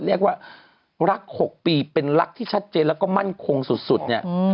เรียกว่ารัก๖ปีเป็นรักที่ชัดเจนแล้วก็มั่นคงสุดเนี่ย